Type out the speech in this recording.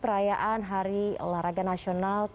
perayaan hari olahraga nasional